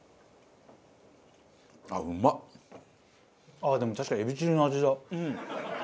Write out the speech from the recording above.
ああでも確かにエビチリの味だ。